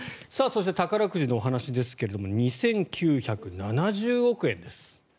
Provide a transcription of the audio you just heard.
そして宝くじのお話ですが２９７０億円です。